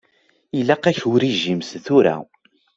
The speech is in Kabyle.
Ilaq-ak urijim seg tura.